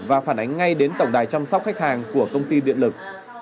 và phản ánh ngay đến tổng đài chăm sóc khách hàng của công ty điện lực